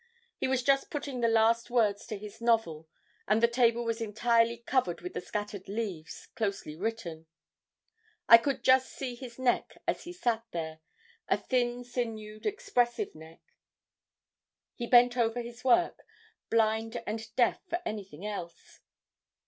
He was just putting the last words to his novel, and the table was entirely covered with the scattered leaves, closely written. I could just see his neck as he sat there, a thin sinewed, expressive neck. He bent over his work, blind and deaf for anything else.